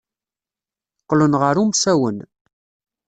Qqlen ɣer umsawen.